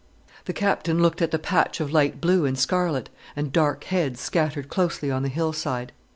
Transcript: The Captain looked at the patch of light blue and scarlet, and dark heads, scattered closely on the hillside.